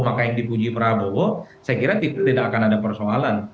maka yang dipuji prabowo saya kira tidak akan ada persoalan